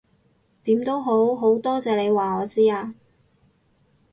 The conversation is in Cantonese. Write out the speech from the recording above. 點都好，好多謝你話我知啊